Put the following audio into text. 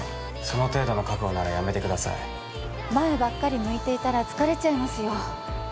その程度の覚悟ならやめてください前ばっかり向いていたら疲れちゃいますよ